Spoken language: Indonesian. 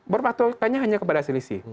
berpatulannya hanya kepada selisih